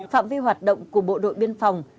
phạm vi hoạt động của bộ đội biên phòng